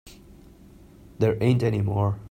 There ain't any more.